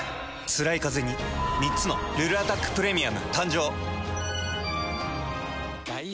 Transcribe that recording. つらいカゼに３つの「ルルアタックプレミアム」誕生。